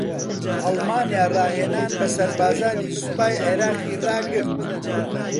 ئەڵمانیا راھێنان بە سەربازانی سوپای عێراقی راگرت